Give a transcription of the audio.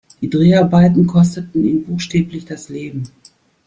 Die Dreharbeiten kosteten ihn buchstäblich das Leben.